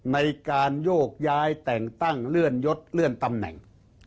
ในการโยกย้ายแต่งตั้งเลื่อนยศเลื่อนตำแหน่ง